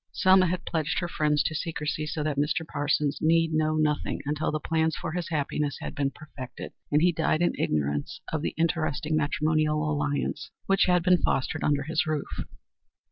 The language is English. Selma had pledged her friends to secrecy, so that Mr. Parsons need know nothing until the plans for his happiness had been perfected, and he died in ignorance of the interesting matrimonial alliance which had been fostered under his roof.